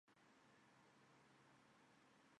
雷丁位于泰晤士河与其支流肯尼迪河的汇流之处。